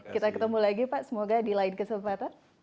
kita ketemu lagi pak semoga di lain kesempatan